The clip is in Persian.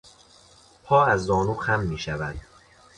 پا از زانو خم میشود.